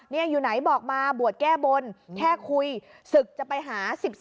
นี่อยู่ไหนบอกมาบวชแก้บนแค่คุยศึกจะไปหา๑๒